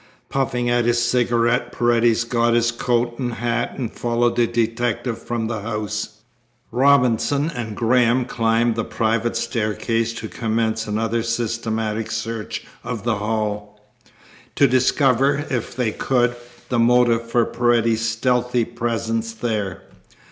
Puffing at his cigarette, Paredes got his coat and hat and followed the detective from the house. Robinson and Graham climbed the private staircase to commence another systematic search of the hall, to discover, if they could, the motive for Paredes's stealthy presence there.